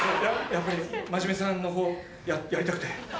やっぱりまじめさんの方やりたくて。